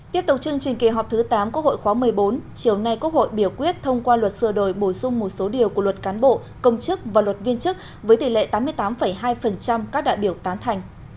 tiếp tục chương trình kỳ họp thứ tám quốc hội khóa một mươi bốn chiều nay quốc hội biểu quyết thông qua luật sửa đổi bổ sung một số điều của luật cán bộ công chức và luật viên chức với tỷ lệ tám mươi tám hai các đại biểu tán thành